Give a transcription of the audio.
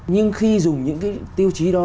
nhưng khi dùng những tiêu chí đó